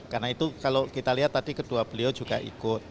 karena itu kalau kita lihat tadi kedua beliau juga ikut